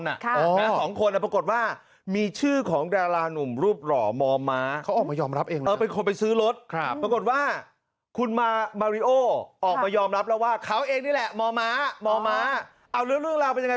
รุ่นของคนมีชื่อของดรารานุ่มรูปหรอหมอม้า